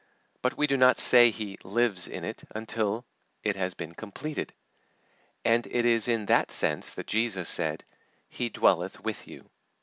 But we do not say he lives in it until it has been completed. And it is in that sense that Jesus said, "He dwelleth with you."